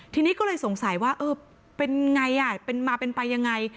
ทีนี้ก็เลยสงสัยว่าเออเป็นไงเป็นมาเป็นไปยังไง